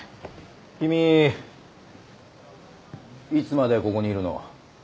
君いつまでここにいるの？